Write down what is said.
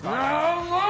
うまい！